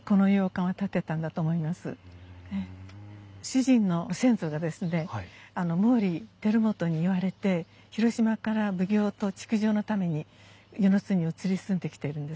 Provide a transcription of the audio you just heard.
主人の先祖がですね毛利輝元に言われて広島から奉行と築城のために温泉津に移り住んできてるんです。